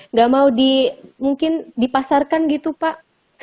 nggak mau di mungkin dipasarkan gitu pak